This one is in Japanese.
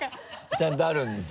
ちゃんとあるんですよ。